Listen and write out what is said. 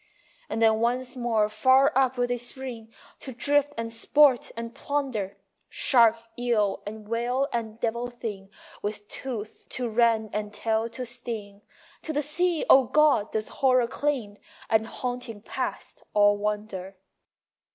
And then once more far up will they spring, To drift and sport and plunder, Shark, eel and whale and devil thing, With tooth to rend and tail to sting. To the sea, O God, does horror cling And haunting past all wonder.